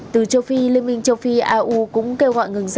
từ châu phi liên minh châu phi au cũng kêu gọi ngừng